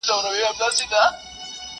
ستا د زهرې پلوشې وتخنوم!.